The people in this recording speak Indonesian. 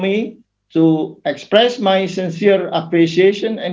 menerima penghargaan dan keberterusan